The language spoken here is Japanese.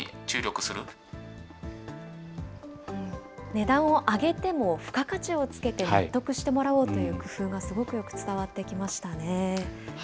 値段を上げても付加価値をつけて納得してもらおうという工夫がすごくよく伝わってきましたね。